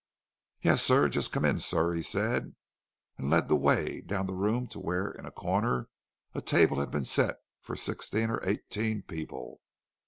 "Yes, sir—just come in, sir," he said, and led the way down the room, to where, in a corner, a table had been set for sixteen or eighteen people.